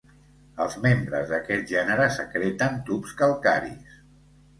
Els membres d'aquest gènere secreten tubs calcaris.